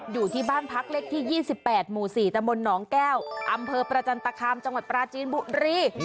อยู่ที่บ้านพักเลขที่๒๘หมู่๔ตะมนต์หนองแก้วอำเภอประจันตคามจังหวัดปราจีนบุรี